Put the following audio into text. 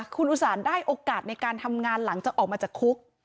คุณอุตส่าห์ได้โอกาสในการทำงานหลังจากออกมาจากคุก